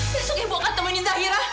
besok ibu akan temannya zahira